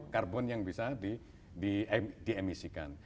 karbon yang bisa diemisikan